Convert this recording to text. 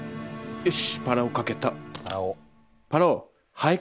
「よし！